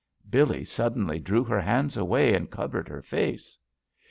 Billee suddenly drew her hands away and cov ered her face.